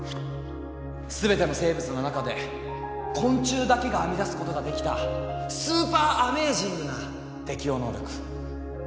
全ての生物の中で昆虫だけが編み出すことができたスーパーアメージングな適応能力。